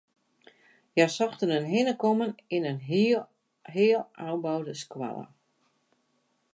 Hja sochten in hinnekommen yn in heal ôfboude skoalle.